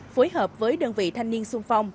phối hợp với đơn vị thanh niên sung phong